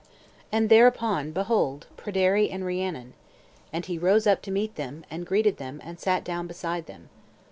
And thereupon behold Pryderi and Rhiannon. And he rose up to meet them, and greeted them, and sat down beside them.